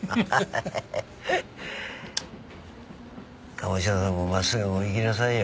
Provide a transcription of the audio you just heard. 鴨志田さんもまっすぐお行きなさいよ